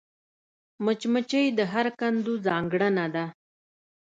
مچمچۍ د هر کندو ځانګړېنده ده